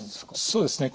そうですね。